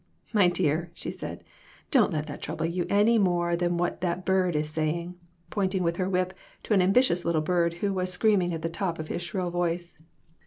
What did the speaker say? "My dear," she said, "don't let that trouble you any more than what that bird is saying," pointing with her whip to an ambitious little bird who was screaming at the top of his shrill voice.